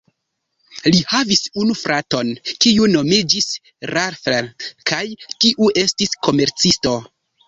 Li havis unu fraton, kiu nomiĝis Ralph kaj kiu estis komercisto.